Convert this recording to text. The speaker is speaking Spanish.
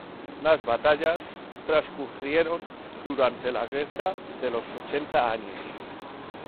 Las batallas transcurrieron durante la Guerra de los Ochenta Años.